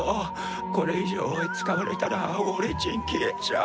これ以上使われたら俺ちん消えちゃう。